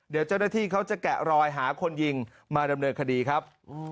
เดี๋ยวเจ้าหน้าที่เขาจะแกะรอยหาคนยิงมาดำเนินคดีครับ